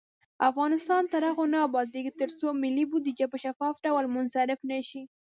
افغانستان تر هغو نه ابادیږي، ترڅو ملي بودیجه په شفاف ډول مصرف نشي.